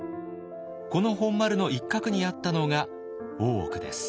この本丸の一角にあったのが大奥です。